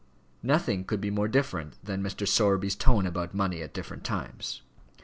Nothing could be more different than Mr. Sowerby's tone about money at different times.